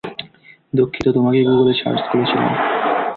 দুঃখিত, তোমাকে গুগলে সার্চ করেছিলাম।